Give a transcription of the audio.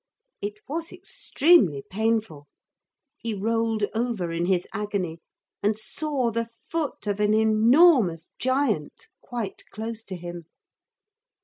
It was extremely painful. He rolled over in his agony, and saw the foot of an enormous giant quite close to him.